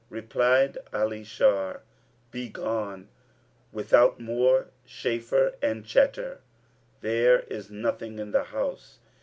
Replied Ali Shar, "Begone, without more chaffer and chatter; there is nothing in the house."